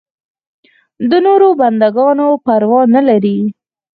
د نورو بنده ګانو پروا نه لري.